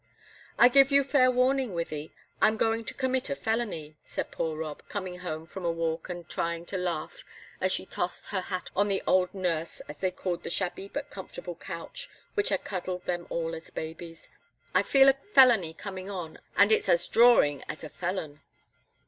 "I give you fair warning, Wythie, I'm going to commit a felony," said poor Rob, coming home from a walk and trying to laugh as she tossed her hat on the old "nurse," as they called the shabby but comfortable couch which had cuddled them all as babies. "I feel a felony coming on, and it's as drawing as a felon."